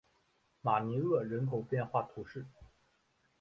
马尼厄人口变化图示